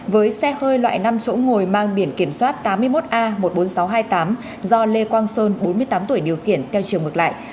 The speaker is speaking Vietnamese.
với xe hơi loại năm chỗ ngồi mang biển kiểm soát tám mươi một a một mươi bốn nghìn sáu trăm hai mươi tám do lê quang sơn bốn mươi tám tuổi điều khiển theo chiều ngược lại